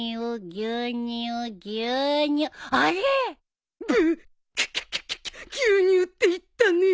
牛乳って言ったね。